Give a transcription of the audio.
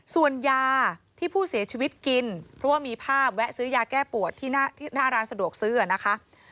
ส่วนยาที่ผู้เสียชีวิตกินเพราะว่ามีภาพแวะซื้อยาแก้ปวดที่หน้าร้านสะดวกซื้อนะคะ